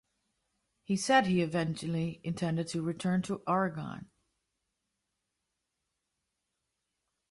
He said he eventually intended to return to Oregon.